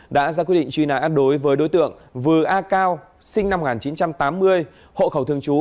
đã ra quyết định truy nã đối với đối tượng vừa a cao sinh năm một nghìn chín trăm tám mươi hộ khẩu thường trú